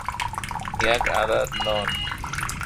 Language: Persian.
یک عدد نان